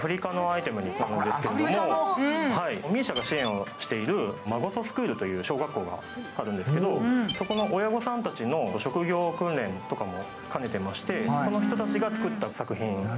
ＭＩＳＩＡが支援しているマゴソスクールという小学校があるんですけど、そこの親御さんたちの職業訓練とかも兼ねてまして、その人たちが作った作品。